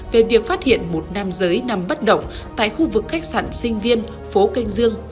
về việc phát hiện một nam giới nằm bất động tại khu vực khách sạn sinh viên phố kênh dương